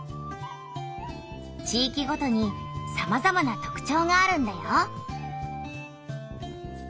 地域ごとにさまざまなとくちょうがあるんだよ。